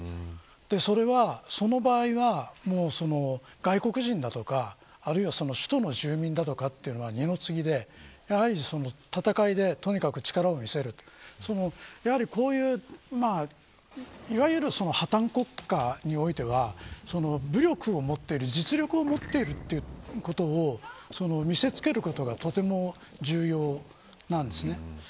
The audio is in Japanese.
それは、その場合は外国人だとかあるいは首都の住人だとかというのは二の次でやはり戦いで力を見せるいわゆる破綻国家においては武力を持っている実力を持っているということを見せつけることがとても重要なんですね。